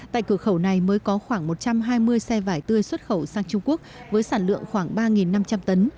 tại cửa khẩu này mới có khoảng một trăm hai mươi xe vải tươi xuất khẩu sang trung quốc với sản lượng khoảng ba năm trăm linh tấn